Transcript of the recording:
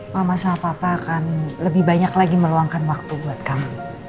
mama sama papa akan lebih banyak lagi meluangkan waktu buat kami